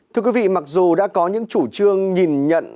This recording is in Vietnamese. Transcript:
thưa quý vị mặc dù đã có những chủ trương nhìn nhận